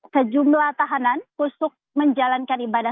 sejumlah tahanan kusuk menjalankan ibadah